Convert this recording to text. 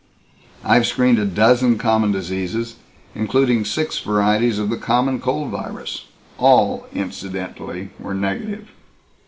I've screened a dozen common diseases, including the six varieties of the common cold virus. All, incidentally, were negative."